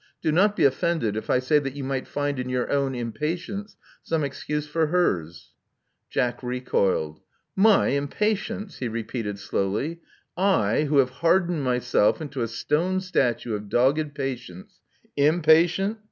Do not be offended if I say that you might find in your own impatience some excuse for hers.'* Jack recoiled. My impatience!*' he repeated slowly. I, who have hardened myself into a stone statue of dogged patience, impatient!"